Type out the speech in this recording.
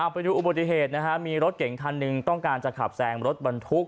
ไปดูอุบัติเหตุนะฮะมีรถเก่งคันหนึ่งต้องการจะขับแซงรถบรรทุก